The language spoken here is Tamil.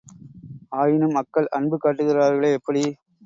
ஆயினும் மக்கள் அன்பு காட்டுகிறார்களே எப்படி?